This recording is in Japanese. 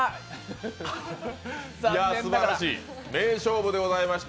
いや、すばらしい、名勝負でございました。